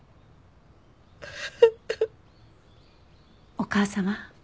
お母様。